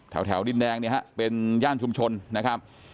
แถวดินแดงเนี่ยฮะเป็นย่านชุมชนนะครับ